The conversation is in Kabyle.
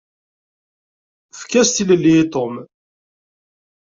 Efk-as tilelli i Tom!